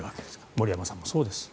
森山さんもそうです。